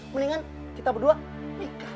mendingan kita berdua nikah